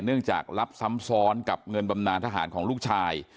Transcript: เนื่องจากรับซ้ำซ้อนกับเงินบำนานทหารของลูกชาย